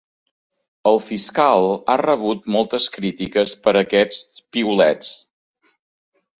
El fiscal ha rebut moltes crítiques per aquests piulets.